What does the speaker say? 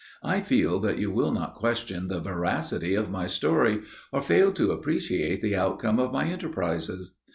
I feel that you will not question the veracity of my story, or fail to appreciate the outcome of my enterprises.